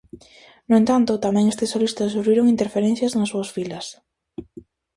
No entanto, tamén estes solistas sufriron interferencias nas súas filas.